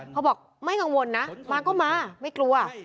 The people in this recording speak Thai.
เขาบอกไม่กังวลนะมาก็มาไม่กลัว